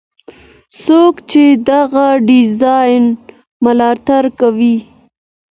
څوک چې دغه ډیزاین ملاتړ کوي.